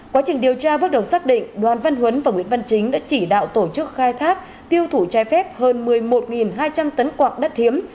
quá trình điều tra bước đầu xác định đoàn văn huấn và nguyễn văn chính đã chỉ đạo tổ chức khai thác tiêu thủ trái phép hơn một mươi một hai trăm linh tấn quạng đất thiếm